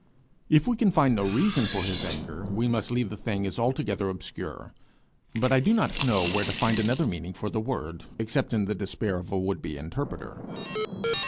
If we can find no reason for his anger, we must leave the thing as altogether obscure; for I do not know where to find another meaning for the word, except in the despair of a would be interpreter.